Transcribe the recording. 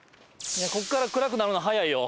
ここから暗くなるの早いよ。